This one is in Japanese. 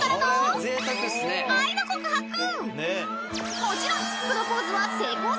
［もちろん］